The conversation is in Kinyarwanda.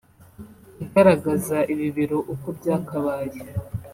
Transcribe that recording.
igaragaza ibibero uko byakabaye